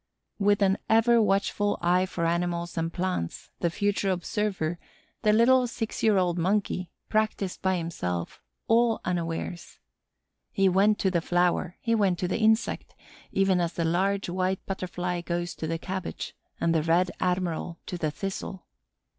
With an ever watchful eye for animals and plants, the future observer, the little six year old monkey, practiced by himself, all unawares. He went to the flower, he went to the insect, even as the Large White Butterfly goes to the cabbage and the Red Admiral to the thistle.